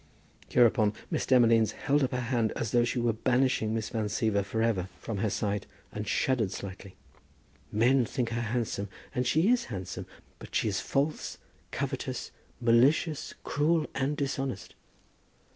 Hereupon Miss Demolines held up her hand as though she were banishing Miss Van Siever for ever from her sight, and shuddered slightly. "Men think her handsome, and she is handsome. But she is false, covetous, malicious, cruel, and dishonest."